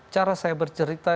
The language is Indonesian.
cara saya bercerita